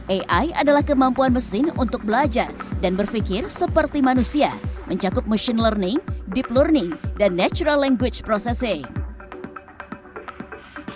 ai adalah kemampuan mesin untuk belajar dan berpikir seperti manusia mencakup machine learning deep learning dan natural language processing